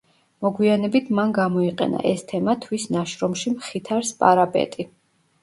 მოგვიანებით მან გამოიყენა ეს თემა თვის ნაშრომში „მხითარ სპარაპეტი“.